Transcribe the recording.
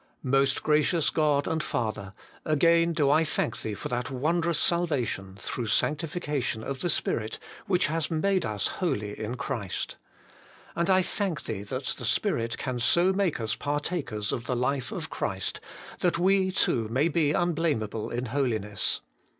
Most Gracious God and Father ! again do I thank Thee for that wondrous salvation, through sanctification of the Spirit, which has made us holy in Christ. And I thank Thee that the Spirit can so make us partakers of the life of Christ, that we too may be unblameable in holiness.